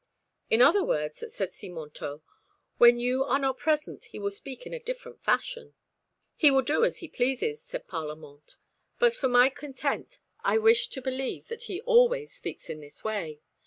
"In other words," said Simontault, "when you are not present, he will speak in a different fashion." "He will do as he pleases," said Parlamente, "but for my content I wish to believe that he always speaks in this way.